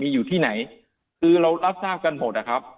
อยู่ที่ไหนคือเรารับทราบกันหมดนะครับ